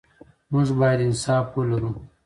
موږ باید انصاف ولرو.